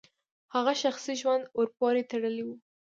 هغه شخصي ژوند ورپورې تړلی و.